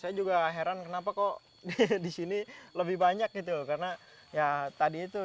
saya juga heran kenapa kok di sini lebih banyak gitu karena ya tadi itu